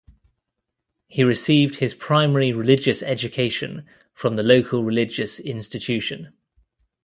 He received his primary religious education from the local religious institution.